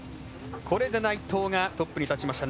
これで内藤がトップに立ちました。